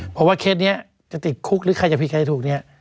เพราะว่าเคสนี้จะติดคุกหรือใครจะผิดใครถูกเนี่ย